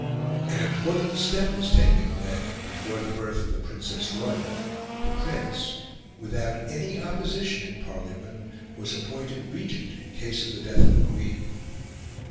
An important step was taken when, before the birth of the Princess Royal, the Prince, without any opposition in Parliament, was appointed Regent in case of the death of the Queen.